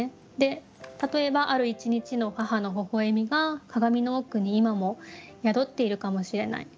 例えばある１日の母の微笑みが鏡の奥に今も宿っているかもしれない。